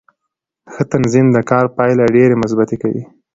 ښه تنظیم د کار پایلې ډېرې مثبتې کوي